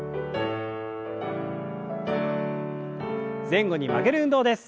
前後に曲げる運動です。